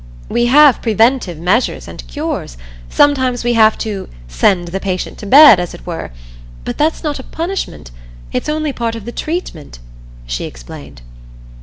We have preventive measures, and cures; sometimes we have to 'send the patient to bed,' as it were; but that's not a punishment it's only part of the treatment," she explained.